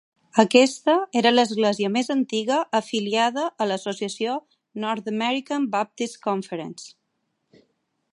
Aquesta era l'església més antiga afiliada a l'associació North American Baptist Conference.